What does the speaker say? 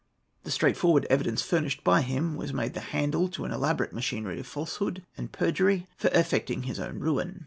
The straightforward evidence furnished by him was made the handle to an elaborate machinery of falsehood and perjury for effecting his own ruin.